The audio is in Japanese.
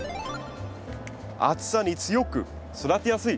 暑さに強く育てやすい。